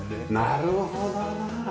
なるほどな。